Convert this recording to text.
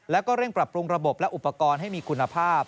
แล้วก็เร่งปรับปรุงระบบและอุปกรณ์ให้มีคุณภาพ